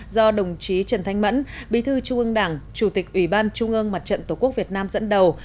do đồng chí trần thanh mẫn bí thư trung ương đảng chủ tịch ủy ban trung ương mặt trận tổ quốc việt nam dẫn đầu